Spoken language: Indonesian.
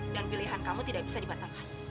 pilihan kamu tidak bisa dibatalkan